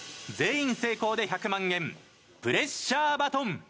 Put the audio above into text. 全員成功で１００万円プレッシャーバトン。